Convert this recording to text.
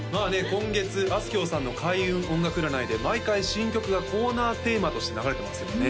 今月あすきょうさんの開運音楽占いで毎回新曲がコーナーテーマとして流れてますよね